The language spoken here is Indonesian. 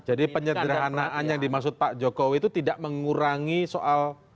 jadi penyederhanaan yang dimaksud pak jokowi itu tidak mengurangi soal